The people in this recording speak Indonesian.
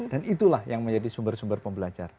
dan itulah yang menjadi sumber sumber pembelajar